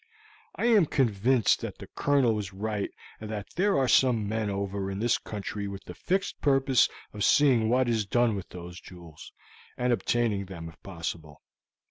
"I am convinced that the Colonel was right, and that there are some men over in this country with the fixed purpose of seeing what is done with those jewels, and obtaining them if possible.